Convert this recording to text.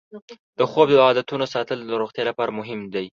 د خوب د عادتونو ساتل د روغتیا لپاره مهم دی.